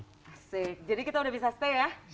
asik jadi kita udah bisa stay ya